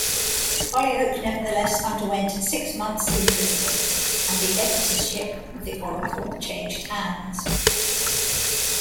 Holyoake nevertheless underwent six months' imprisonment, and the editorship of the "Oracle" changed hands.